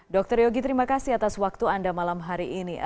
dr yogi terima kasih atas waktu anda malam hari ini